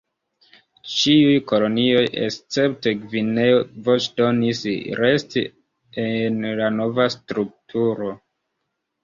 Ĉiuj kolonioj escepte Gvineo voĉdonis resti en la nova strukturo.